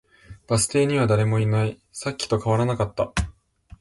バス停には誰もいない。さっきと変わらなかった。